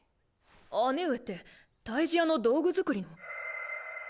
姉上って退治屋の道具作りの。